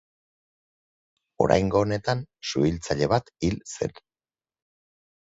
Oraingo honetan suhiltzaile bat hil zen.